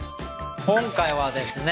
今回はですね